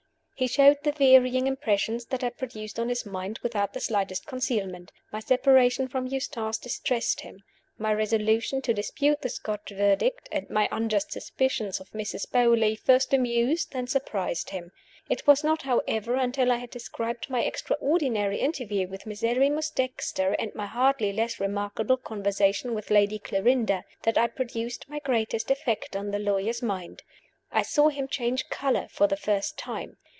He showed the varying impressions that I produced on his mind without the slightest concealment. My separation from Eustace distressed him. My resolution to dispute the Scotch Verdict, and my unjust suspicions of Mrs. Beauly, first amused, then surprised him. It was not, however, until I had described my extraordinary interview with Miserrimus Dexter, and my hardly less remarkable conversation with Lady Clarinda, that I produced my greatest effect on the lawyer's mind. I saw him change color for the first time.